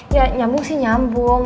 ya nyambung sih nyambung